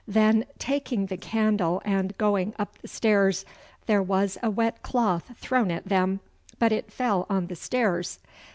Then, taking the candle and going up the stairs, there was a wet cloth thrown at them, but it fell on the stairs.